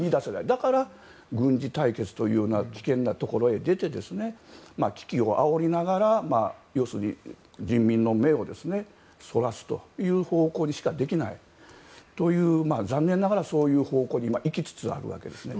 だから軍事対決という危険なところへ出て危機をあおりながら要するに人民の目をそらす方向にしかできないという残念ながら、そういう方向にいきつつあるわけですね。